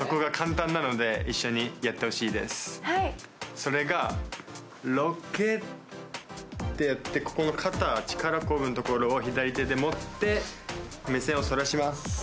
それがロケッてやって肩力こぶのところを左手で持って、目線をそらします。